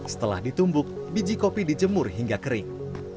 setelah ditumbuk biji kopi dijemur hingga kering